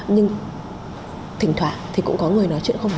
nhưng thỉnh thoảng thì cũng có người nói chuyện không